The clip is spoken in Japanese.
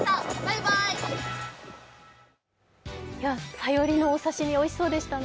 サヨリのお刺身おいしそうでしたね。